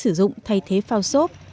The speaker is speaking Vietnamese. sử dụng thay thế phao sốt